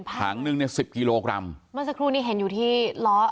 ถังหนึ่งเนี่ยสิบกิโลกรัมเมื่อสักครู่นี้เห็นอยู่ที่ล้อ